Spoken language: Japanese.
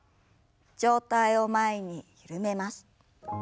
上体を前に緩めます。